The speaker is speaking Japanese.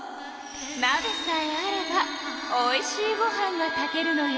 なべさえあればおいしいご飯が炊けるのよ。